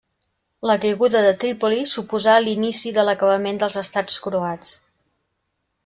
La caiguda de Trípoli suposà l'inici de l'acabament dels estats croats.